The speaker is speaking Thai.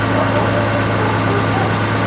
เผาให้ดู